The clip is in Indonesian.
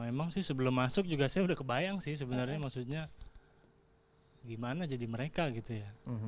memang sih sebelum masuk juga saya udah kebayang sih sebenarnya maksudnya gimana jadi mereka gitu ya